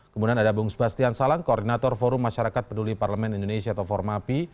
kemudian ada bung sebastian salang koordinator forum masyarakat peduli parlemen indonesia atau formapi